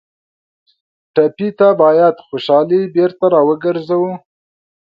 ټپي ته باید خوشالي بېرته راوګرځوو.